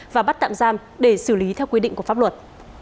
và bắt tạm giam để xử lý theo quy định của pháp luật